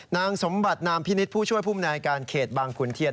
นางสมบัตินามพินิศผู้ช่วยผู้บุญนายการเขตบางคุณเทียน